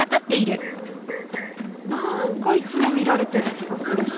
何かいつも見られてる気がするし。